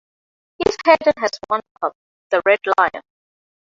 East Haddon has one pub, the Red Lion.